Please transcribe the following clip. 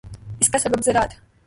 اس کا سبب ذرات